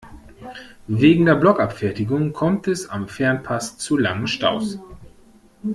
Wegen der Blockabfertigung kommt es am Fernpass zu langen Staus.